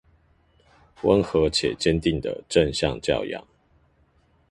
溫和且堅定的正向教養